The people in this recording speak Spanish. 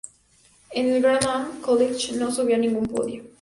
En el Grand-Am Challenge no subió a ningún podio.